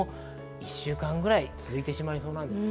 １週間くらいは続いてしまいそうです。